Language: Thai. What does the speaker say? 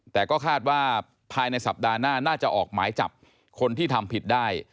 แต่ก็คาดว่าภายในสัปดาห์หน้าน่าจะออกหมายจับคนที่ทำผิดได้